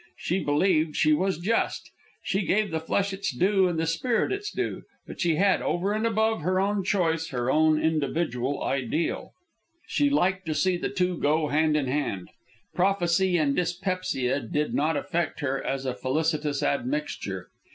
She believed she was just. She gave the flesh its due and the spirit its due; but she had, over and above, her own choice, her own individual ideal. She liked to see the two go hand in hand. Prophecy and dyspepsia did not affect her as a felicitous admixture.